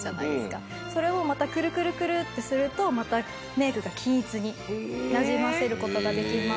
それをまたくるくるくるってするとまたメイクが均一になじませる事ができます。